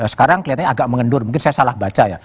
sekarang kelihatannya agak mengendur mungkin saya salah baca ya